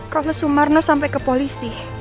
kalau sumarno sampai ke polisi